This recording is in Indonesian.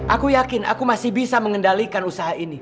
aku yakin aku masih bisa mengendalikan usaha ini